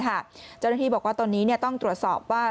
เจ้าหน้าที่บอกว่าตอนนี้ต้องตรวจสอบว่า